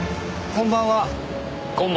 こんばんは。